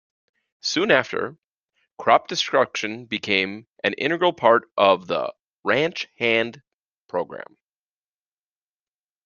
Soon after, crop destruction became an integral part of the "Ranch Hand" program.